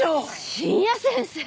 深夜先生！